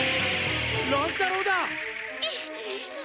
乱太郎だ！